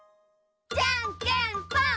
じゃんけんぽん！